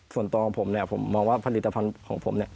ส่วนตัวของผมผมมองว่าผลิตภัณฑ์ของผม